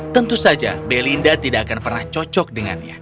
tentu saja belinda tidak akan pernah cocok dengannya